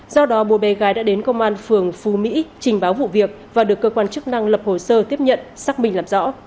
do đó bố bé gái đã đến công an phường phú mỹ trình báo vụ việc và được cơ quan chức năng lập hồ sơ tiếp nhận xác minh làm rõ